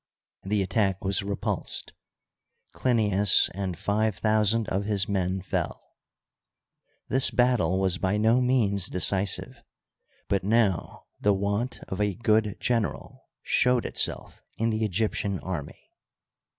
The attack was repulsed ; Clinias and five thousand of his men fell. This battle was by no means decisive ; but now the want of a good gen eral showed itself in the Egyptian army.